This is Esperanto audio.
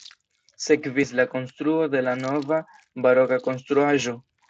Sekvis la konstruo de la nova baroka konstruaĵo.